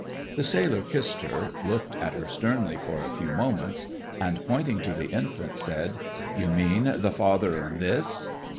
The sailor kissed her, looked at her sternly for a few moments, and pointing to the infant, said, 'You mean the father of this?'